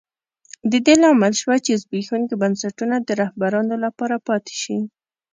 د دې لامل شوه چې زبېښونکي بنسټونه د رهبرانو لپاره پاتې شي.